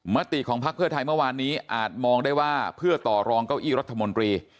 มติของพักเพื่อไทยเมื่อวานนี้อาจมองได้ว่าเพื่อต่อรองเก้าอี้รัฐมนตรี